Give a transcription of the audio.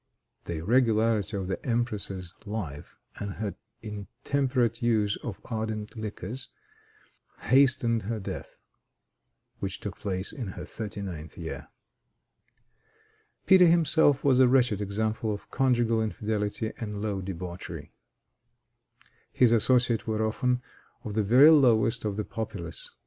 The irregularity of the empress's life, and her intemperate use of ardent liquors, hastened her death, which took place in her thirty ninth year. Peter himself was a wretched example of conjugal infidelity and low debauchery. His associates were often of the very lowest of the populace.